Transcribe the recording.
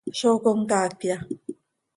¿Zó comcaacya?